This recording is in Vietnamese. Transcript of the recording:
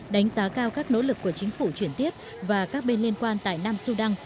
đánh giá cao các nỗ lực của chính phủ chuyển tiếp và các bên liên quan tại nam sudan